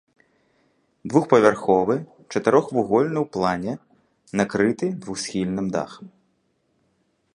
Двухпавярховы, чатырохвугольны ў плане, накрыты двухсхільным дахам.